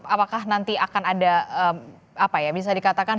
apakah nanti akan ada apa ya bisa dikatakan